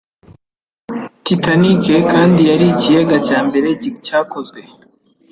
Titanic kandi yari ikiyega cya mbere cyakozwe